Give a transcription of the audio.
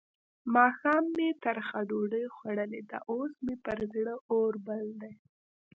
ماښام مې ترخه ډوډۍ خوړلې ده؛ اوس مې پر زړه اور بل دی.